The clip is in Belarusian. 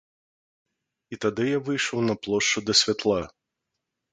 І тады я выйшаў на плошчу, да святла.